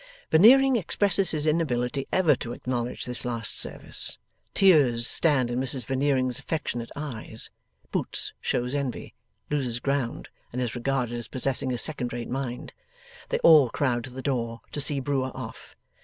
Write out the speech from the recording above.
Veneering expresses his inability ever to acknowledge this last service. Tears stand in Mrs Veneering's affectionate eyes. Boots shows envy, loses ground, and is regarded as possessing a second rate mind. They all crowd to the door, to see Brewer off.